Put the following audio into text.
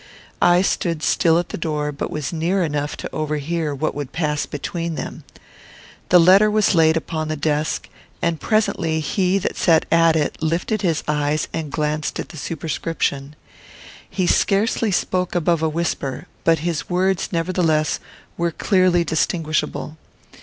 I stood still at the door; but was near enough to overhear what would pass between them. The letter was laid upon the desk, and presently he that sat at it lifted his eyes and glanced at the superscription. He scarcely spoke above a whisper; but his words, nevertheless, were clearly distinguishable.